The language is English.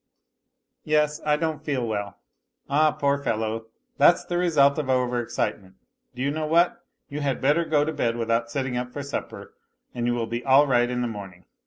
X"' Yes, T don't foci well." "Ah, poor fellow ! That's the result of over excitement. Do you know what ? You had better go to bed without sitting up for supper, and you will be all right in the morning.